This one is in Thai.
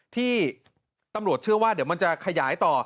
ที่ตำรวจเชื่อว่าเดี๋ยวมันจะขยายต่อ